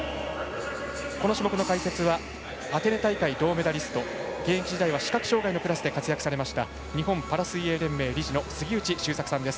この種目の解説はアテネ大会、銅メダリスト現役時代は視覚障がいのクラスで活躍されました日本パラ水泳連盟理事の杉内周作さんです。